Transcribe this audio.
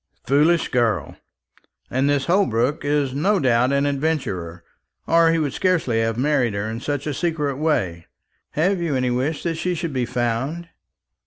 "Foolish girl! And this Holbrook is no doubt an adventurer, or he would scarcely have married her in such a secret way. Have you any wish that she should be found?"